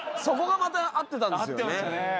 そこがまた合ってたんですよね。